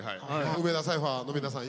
梅田サイファーの皆さん